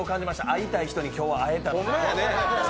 会いたい人に今日は会えた。